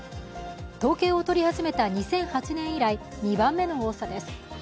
統計を取り始めた２００８年以来、２番目の多さです